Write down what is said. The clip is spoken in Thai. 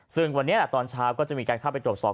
ซึ่งวันนี้ตอนเช้าก็จะมีการเข้าไปตรวจสอบ